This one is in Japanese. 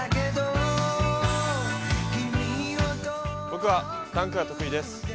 僕はダンクが得意です。